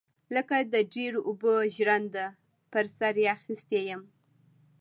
لکه د ډيرو اوبو ژرنده پر سر يې اخيستى يم.